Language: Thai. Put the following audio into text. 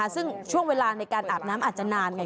ซึ่งช่วงเวลาในการอาบน้ำอาจจะนานไง